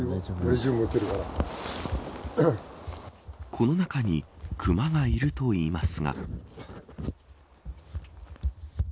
この中に熊がいるといいますが。